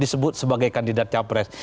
disebut sebagai kandidat capres